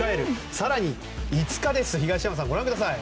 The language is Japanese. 更に、５日です、東山さんご覧ください。